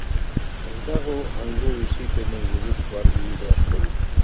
Ez dago hango bizipenei buruzko argibide askorik.